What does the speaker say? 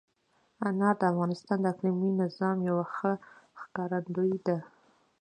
انار د افغانستان د اقلیمي نظام یوه ښه ښکارندوی ده.